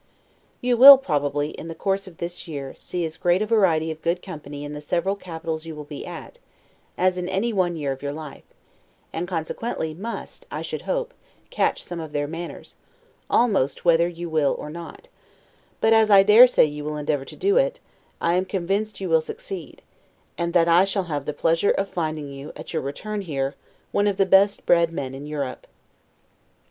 You will, probably, in the course of this year, see as great a variety of good company in the several capitals you will be at, as in any one year of your life; and consequently must (I should hope) catch some of their manners, almost whether you will or not; but, as I dare say you will endeavor to do it, I am convinced you will succeed, and that I shall have pleasure of finding you, at your return here, one of the best bred men in Europe.